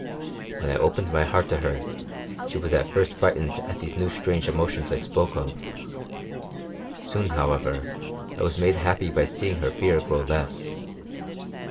When I opened my heart to her she was at first frightened at these new strange emotions I spoke of. Soon, however, I was made happy by seeing her fear grow less.